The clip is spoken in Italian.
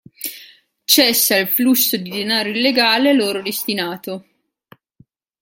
Cessa il flusso di denaro illegale a loro destinato.